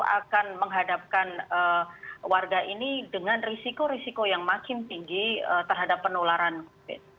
akan menghadapkan warga ini dengan risiko risiko yang makin tinggi terhadap penularan covid